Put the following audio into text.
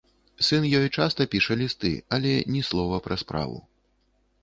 Сын ёй часта піша лісты, але ні слова пра справу.